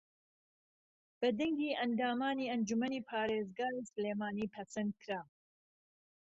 بە دەنگی ئەندامانی ئەنجوومەنی پارێزگای سلێمانی پەسەندکرا